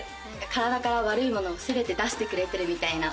体から悪いものすべて出してくれてるみたいな。